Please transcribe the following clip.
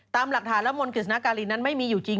ตามหลักฐานและมนต์กฤษณาการีนั้นไม่มีอยู่จริง